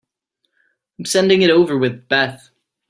I'm sending it over with Beth.